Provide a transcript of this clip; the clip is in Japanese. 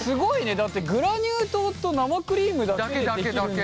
だってグラニュー糖と生クリームだけで出来るんだ。